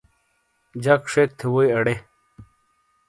جگ شیک تھے ووئی اڑے۔